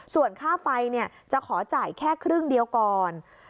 ส่วนค่าไฟจะขอจ่ายแค่ครึ่งเดียวก่อน